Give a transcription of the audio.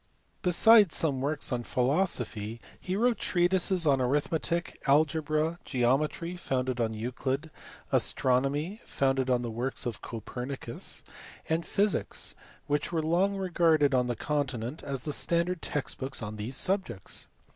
Besides some works on philosophy he wrote treatises on arithmetic, algebra, geometry (founded on Euclid), astronomy (founded on the works of Copernicus), and physics which were long regarded on the continent as the standard text books on these subjects.